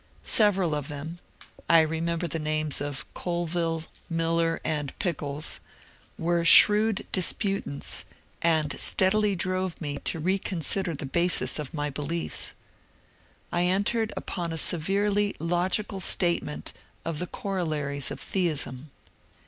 Several of them — I remember the names of Colville, Miller, and Pickles — were shrewd dispu tants and steadily drove me to reconsider the basis of my beliefs. I entered upon a severely logical statement of the co rollaries of theism.